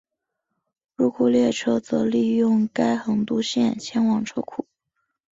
入库列车则利用该横渡线前往车库。